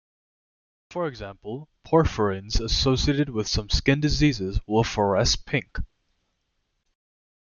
For example, porphyrins-associated with some skin diseases-will fluoresce pink.